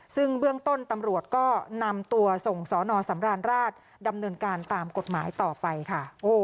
ซึ่งเบื้องต้นตำรวจก็นำตัวส่งสนสำราญราชดำเนินการตามกฎหมายต่อไปค่ะ